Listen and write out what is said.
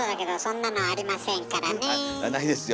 ないですよ。